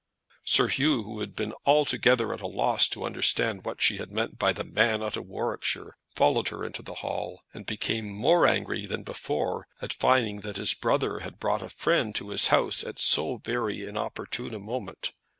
Sir Hugh, who had been altogether at a loss to understand what she had meant by the man out of Warwickshire, followed her into the hall, and became more angry than before at finding that his brother had brought a friend to his house at so very inopportune a moment.